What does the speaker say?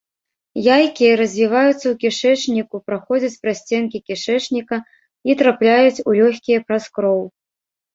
Яйкі развіваюцца ў кішэчніку, праходзяць праз сценкі кішэчніка і трапляюць у лёгкія праз кроў.